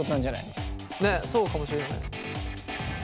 ねっそうかもしれない。